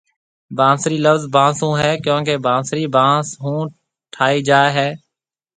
بانسري لفظ بانس ھونھيَََ ڪيونڪي بانسري بانس ھونٺاھيَََ جاوي ھيَََ